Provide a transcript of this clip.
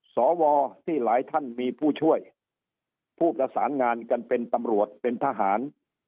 สวที่หลายท่านมีผู้ช่วยผู้ประสานงานกันเป็นตำรวจเป็นทหาร